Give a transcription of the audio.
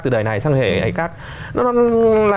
từ đời này sang thế hệ khác nó là